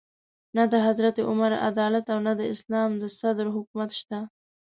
نه د حضرت عمر عدالت او نه د اسلام د صدر حکومت شته.